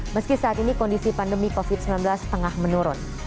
meski saat ini kondisi pandemi covid sembilan belas tengah menurun